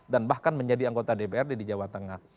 dan bahkan menjadi anggota dprd di jawa tengah